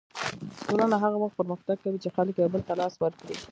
ټولنه هغه وخت پرمختګ کوي چې خلک یو بل ته لاس ورکړي.